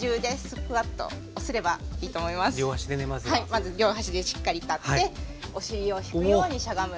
まず両足でしっかり立ってお尻を引くようにしゃがむ。